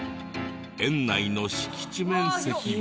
園内の敷地面積は。